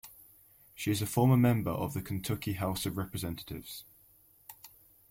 She is a former member of the Kentucky House of Representatives.